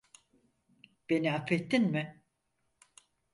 Beni affettin mi?